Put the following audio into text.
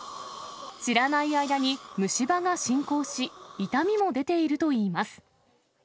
知らない間に虫歯が進行し、痛みも出ているといいます。